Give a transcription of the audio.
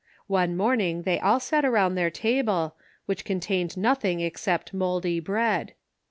One morning they all sat around their table, which contained nothing except mouldy bread.